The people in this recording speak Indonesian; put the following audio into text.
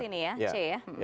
kalikangkung sini ya